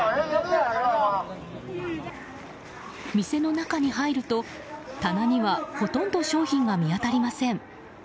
店の中に入ると棚にはほとんど商品が見当たりません。